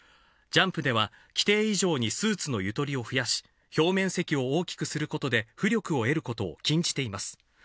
ジャンプでは規定以上にスーツのゆとりを増やし、表面積を大きくすることで浮力を得ることを禁じています。